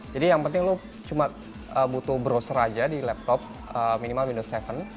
jadi yang penting lo cuma butuh browser aja di laptop minimal windows tujuh